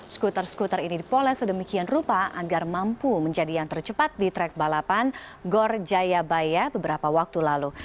skuter skuter ini dipoles sedemikian rupa agar mampu menjadi yang tercepat di track balapan gor jayabaya beberapa waktu lalu